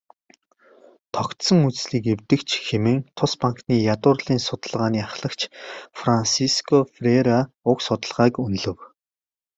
"Тогтсон үзлийг эвдэгч" хэмээн тус банкны ядуурлын судалгааны ахлагч Франсиско Ферреира уг судалгааг үнэлэв.